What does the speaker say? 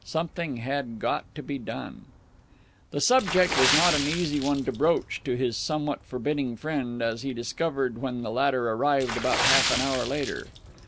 Something had got to be done. The subject was not an easy one to broach to his somewhat forbidding friend, as he discovered when the latter arrived about half an hour later.